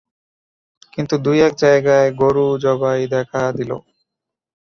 কিন্তু দুই-এক জায়গায় গোরু-জবাই দেখা দিল।